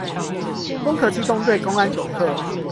攻殼機動隊公安九課